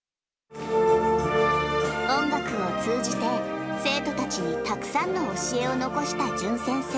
音楽を通じて、生徒たちにたくさんの教えを残した淳先生。